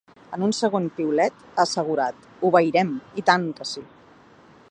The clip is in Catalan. En un segon piulet ha assegurat: Obeirem, i tant que sí.